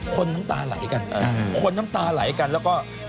น้ำตาไหลกันคนน้ำตาไหลกันแล้วก็